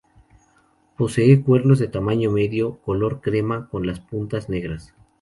Posee cuernos de tamaño medio, color crema con las puntas negras.